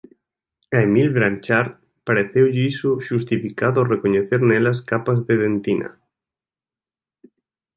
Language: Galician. A Émile Blanchard pareceulle iso xustificado ao recoñecer nelas capas de dentina.